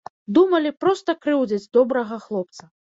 Думалі, проста крыўдзяць добрага хлопца.